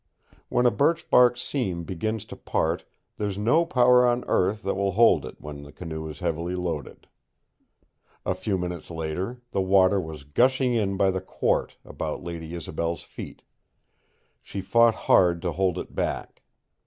When a birchbark seam begins to part there's no power on earth that will hold it when the canoe is heavily loaded. A few minutes later, the water was gushing in by the quart about Lady Isobel's feet. She fought hard to hold it back.